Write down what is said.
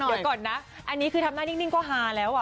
เดี๋ยวก่อนนะอันนี้คือทำหน้านิ่งก็ฮาแล้ว